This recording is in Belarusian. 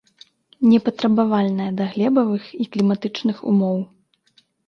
Непатрабавальная да глебавых і кліматычных умоў.